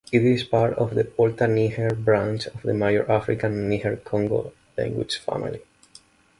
It is part of the Volta-Niger branch of the major African Niger-Congo language family.